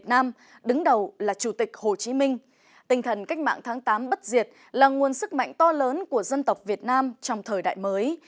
tình thần cách mạng tháng tám bất diệt là nguồn sức mạnh to lớn của dân tộc việt nam trong thời đại mới